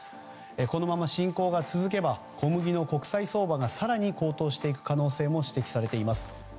このまま侵攻が続けば小麦の国際相場が更に高騰していく可能性も指摘されています。